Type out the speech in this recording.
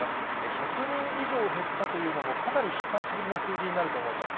１００人以上減ったというのもかなり久しぶりの数字になると思います。